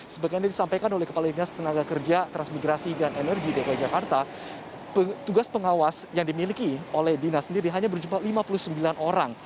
sebagai yang disampaikan oleh kepala dinas tenaga kerja transmigrasi dan energi dki jakarta tugas pengawas yang dimiliki oleh dinas sendiri hanya berjumpa lima puluh sembilan orang